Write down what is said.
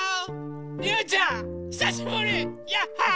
りゅうちゃんひさしぶり！ヤッホー！